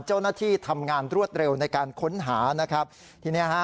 เจ้าหน้าที่ทำงานรวดเร็วในการค้นหานะครับทีเนี้ยฮะ